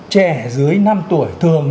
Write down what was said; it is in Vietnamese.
trẻ dưới năm tuổi thường